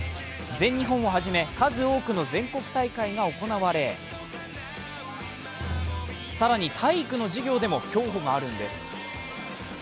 全日本をはじめ数多くの全国大会が行われ更に、体育の授業でも競歩があるんです。